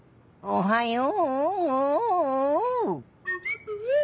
おはよう。